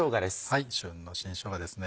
はい旬の新しょうがですね。